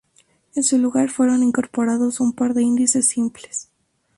En su lugar, fueron incorporados un par de índices simples.